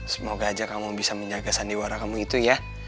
semoga aja kamu bisa menjaga sandiwara kamu itu ya